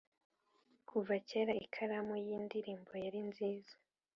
kuva kera ikaramu yindirimbo yari nziza